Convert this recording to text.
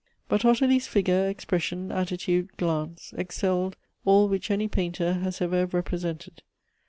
But Ottilie's figure, expression, attitude, glance, excelled all which any painter has ever represented.